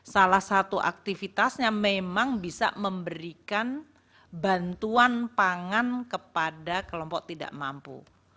salah satu aktivitasnya memang bisa memberikan bantuan pangan kepada kelompok tidak mampu